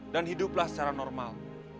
dan hiduplah secara normal